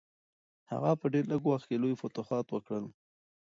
هغه په ډېر لږ وخت کې لوی فتوحات وکړل.